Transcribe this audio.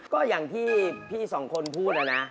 ก็อย่างที่พี่สองคนพูดนะนะ